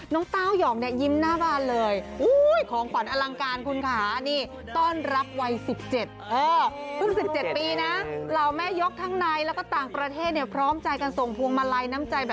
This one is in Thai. น้องเต้าหย่องยิ้มหน้าบานเลย